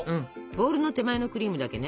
ボウルの手前のクリームだけね